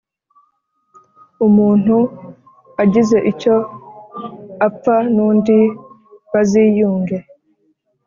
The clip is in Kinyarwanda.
umuntu agize icyo apfa n undi baziyunge